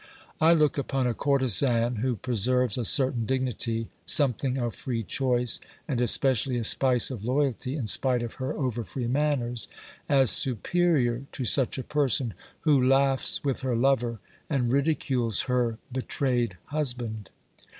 I look upon a courtesan who preserves a certain dignity, something of free choice, and especially a spice of loyalty, in spite of her over free manners, as superior to such a 222 OBERMANN person, who laughs with her lover and ridicules her betrayed husband.